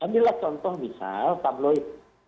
ambillah contoh misal tabloid